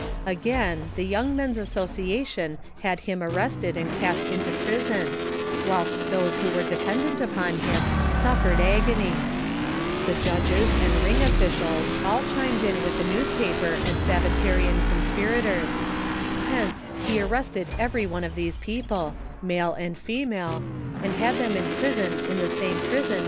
Again, the Young Men's Association had him arrested and cast into prison, whilst those Avho were dependant upon liim suffered agony, the judges and ring officials all chimed in with the newspaper and Sabbatarian conspira tors ; hence, he arrested every one of these people, male and female, and had them imprisoned in the same prison THE CONSPIRATORS AND LOVERS.